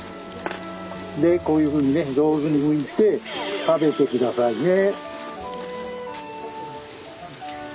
でこういうふうにね上手にむいて食べて下さいね。